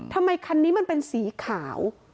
ทำไมคันนี้มันเป็นสีขาว